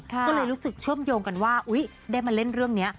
ก็เลยรู้สึกเชื่อมโยงกันว่าได้มาเล่นเรื่องนี้